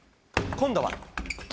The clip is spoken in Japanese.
今度は。